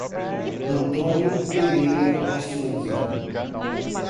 Antônio Pereira de Souza